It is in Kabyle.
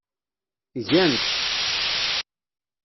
Gan-tt.